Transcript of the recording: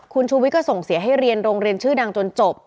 คุณชุวิทย์ก็ส่งเสียให้เรียนรมศดังจนจบ